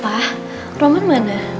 pah roman mana